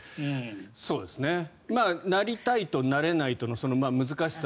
なりたいとなれないとの難しさ